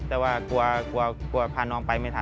กลัวพาน้องไปไม่ทัน